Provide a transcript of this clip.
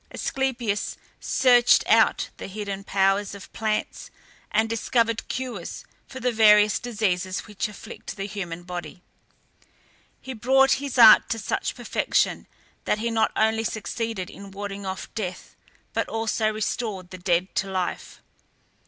Asclepias searched out the hidden powers of plants, and discovered cures for the various diseases which afflict the human body. He brought his art to such perfection, that he not only succeeded in warding off death, but also restored the dead to life.